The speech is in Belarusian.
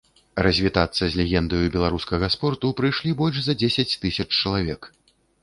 Развітацца з легендаю беларускага спорту прыйшлі больш за дзесяць тысяч чалавек.